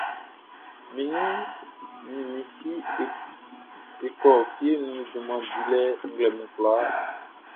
N ni mi si e kɔ fie nun junman dilɛ nglɛmun kwlaa.